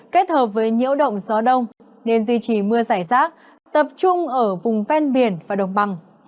kết hợp với nhiễu động gió đông nên duy trì mưa rải rác tập trung ở vùng ven biển và đồng bằng